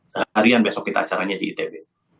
seharian besok kita acaranya di itb